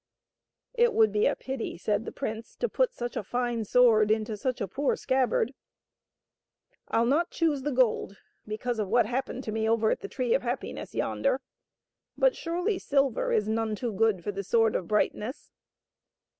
" It would be a pity," said the prince, " to put such a fine sword into such a poor scabbard. FU not choose the gold because of what happened to me over at the Tree of Happiness yonder, but surely silver is none too good for the Sword of Brightness."